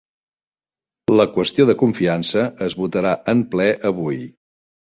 La qüestió de confiança es votarà en ple avui